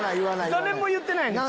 誰も言ってないねん